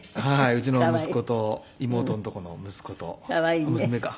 うちの息子と妹のとこの息子と娘か。